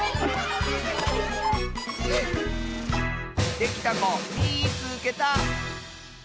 できたこみいつけた！